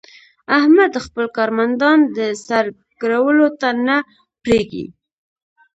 احمد خپل کارمندان د سر ګرولو ته نه پرېږي.